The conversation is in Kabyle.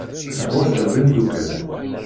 Teḥwajeḍ imeddukal.